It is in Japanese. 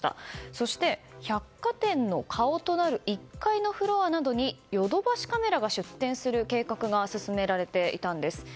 そして、百貨店の顔となる１階のフロアなどにヨドバシカメラが出店する計画が進められていたんです。